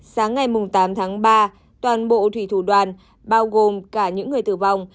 sáng ngày tám tháng ba toàn bộ thủy thủ đoàn bao gồm cả những người tử vong